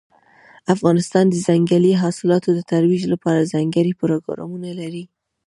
افغانستان د ځنګلي حاصلاتو د ترویج لپاره ځانګړي پروګرامونه لري.